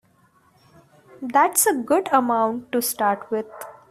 That's a good amount to start with.